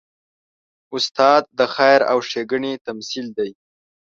استاد د خیر او ښېګڼې تمثیل دی.